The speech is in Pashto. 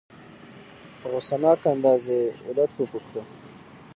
په غصناک انداز یې علت وپوښته.